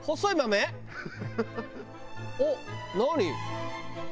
おっ何？